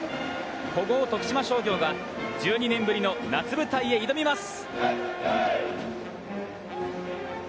古豪・徳島商業が１２年ぶりの夏舞台へ挑みます。